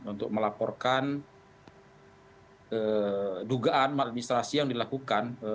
untuk melaporkan dugaan maladministrasi yang dilakukan